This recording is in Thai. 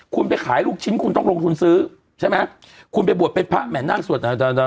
คุณไปขายลูกชิ้นคุณต้องลงทุนซื้อใช่ไหมคุณไปบวชเป็นพระแห่นั่งสวดต่าง